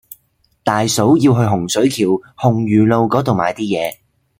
大嫂要去洪水橋洪儒路嗰度買啲嘢